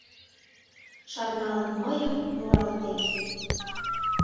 Шарналын мыйым, муралтет.